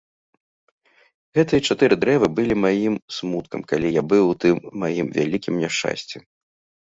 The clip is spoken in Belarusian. Гэтыя чатыры дрэвы былі маім смуткам, калі я быў у тым маім вялікім няшчасці.